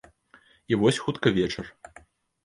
І вось хутка вечар.